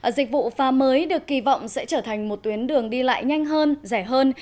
dịch vụ pha mới được kỳ vọng sẽ trở thành một tuyến đường đi lại nhanh hơn rẻ hơn